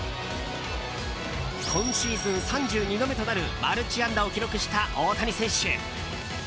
今シーズン３２度目となるマルチ安打を記録した大谷選手。